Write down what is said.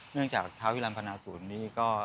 เนื่องจากท้าวเหยียวดันพนาศูนย์นี้ก็